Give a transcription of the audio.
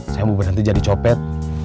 saya mau berhenti jadi copet